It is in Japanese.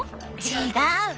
違う。